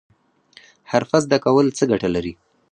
حرفه زده کول څه ګټه لري؟